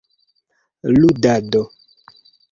ludado